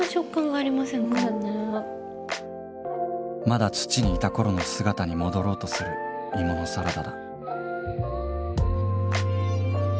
まだ土にいた頃の姿に戻ろうとする芋のサラダだ